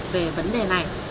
về vấn đề này